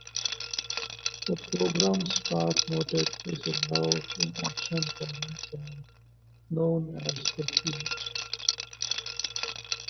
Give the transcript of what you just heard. The program Stark noted is a Love In Action-run camp known as Refuge.